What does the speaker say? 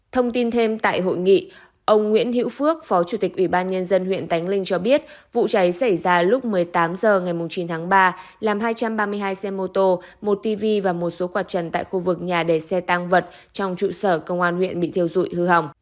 thông tin thêm tại hội nghị ông nguyễn hiễu phước phó chủ tịch ủy ban nhân dân huyện tánh linh cho biết vụ cháy xảy ra lúc một mươi tám h ngày chín tháng ba làm hai trăm ba mươi hai xe mô tô một tv và một số quạt trần tại khu vực nhà đề xe tăng vật trong trụ sở công an huyện bị thiêu dụi hư hỏng